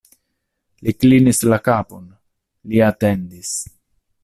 Li klinis la kapon, li atendis.